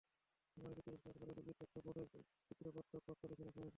সাংবাদিকদের তিরস্কার করে রোগীর তথ্য বোর্ডে বিদ্রূপাত্মক বাক্য লিখে রাখা হয়েছে।